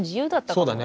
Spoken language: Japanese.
そうだね。